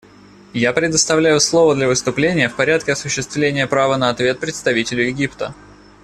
Я предоставляю слово для выступления в порядке осуществления права на ответ представителю Египта.